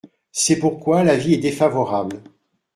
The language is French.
C’est pourquoi l’avis est défavorable.